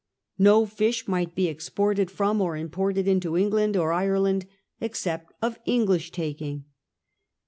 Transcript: No fish might be exported from or imported into England or Ireland except of English taking.